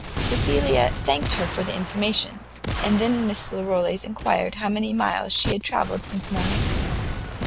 Cecilia thanked her for the information, and then Miss Larolles enquired how many miles she had travelled since morning?